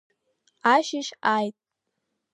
Ашьыжь ааит…